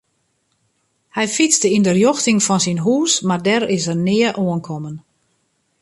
Hy fytste yn 'e rjochting fan syn hús mar dêr is er nea oankommen.